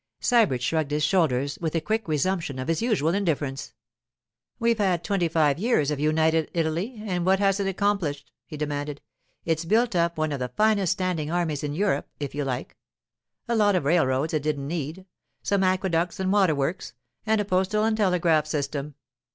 Sybert shrugged his shoulders, with a quick resumption of his usual indifference. 'We've had twenty five years of United Italy, and what has it accomplished?' he demanded. 'It's built up one of the finest standing armies in Europe, if you like; a lot of railroads it didn't need; some aqueducts and water works, and a postal and telegraph system.